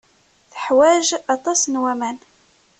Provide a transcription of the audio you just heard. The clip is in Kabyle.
Teḥwaj aṭas n waman.